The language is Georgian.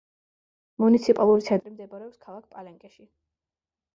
მუნიციპალური ცენტრი მდებარეობს ქალაქ პალენკეში.